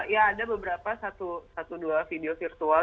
ya ada beberapa satu dua video virtual